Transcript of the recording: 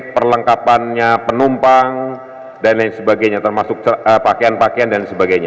perlengkapannya penumpang dan lain sebagainya termasuk pakaian pakaian dan sebagainya